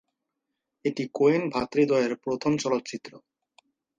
এটি কোয়েন ভ্রাতৃদ্বয়ের প্রথম চলচ্চিত্র।